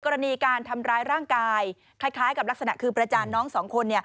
กรณีการทำร้ายร่างกายคล้ายกับลักษณะคือประจานน้องสองคน